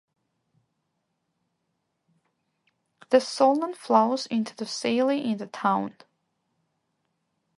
The Solnan flows into the Seille in the town.